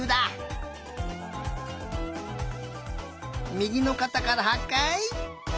みぎのかたから８かい！